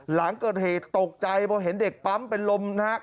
หลังเกิดเหตุตกใจพอเห็นเด็กปั๊มเป็นลมนะครับ